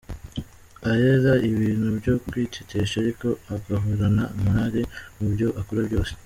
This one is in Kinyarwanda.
Aella ibintu byo kwitetesha ariko agahorana morali mu byo akora byose.